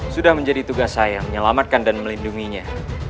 sudah menjadi tugas saya menyelamatkan dan melindunginya